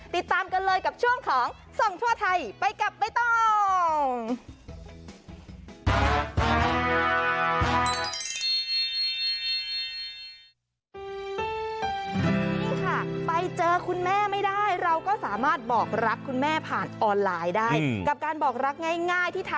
ติดตามกันเลยกับช่วงของส่องทั่วไทยไปกับใบตอง